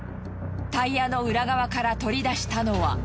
タイヤの裏側から取り出したのは。